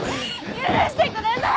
許してください。